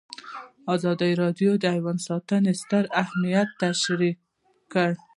ازادي راډیو د حیوان ساتنه ستر اهميت تشریح کړی.